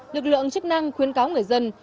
lực lượng chức năng khuyến cáo người dân